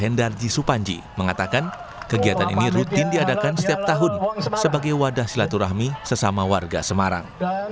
hendarji supanji mengatakan kegiatan ini rutin diadakan setiap tahun sebagai wadah silaturahmi sesama warga semarang